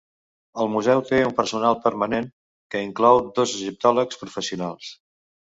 El museu té un personal permanent, que inclou dos egiptòlegs professionals.